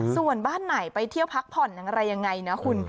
ส่วนบ้านไหนไปเที่ยวพักผ่อนอะไรยังไงนะคุณ